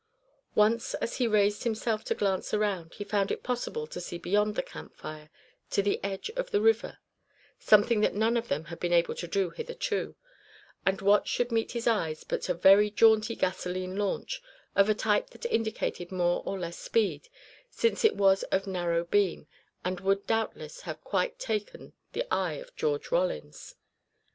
Once, as he raised himself to glance around, he found it possible to see beyond the camp fire, to the edge of the river, something that none of them had been able to do hitherto; and what should meet his eyes but a very jaunty gasoline launch, of a type that indicated more or less speed, since it was of narrow beam, and would doubtless have quite taken the eye of George Rollins.